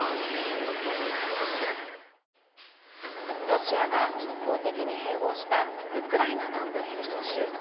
ロシアが一方的に併合したウクライナ南部ヘルソン州。